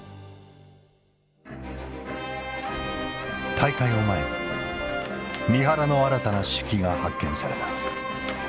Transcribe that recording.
大会を前に三原の新たな手記が発見された。